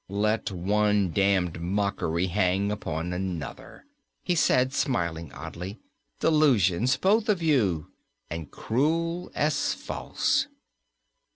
"Let one damned mockery hang upon another," he said smiling oddly. "Delusions, both of you, and cruel as false!"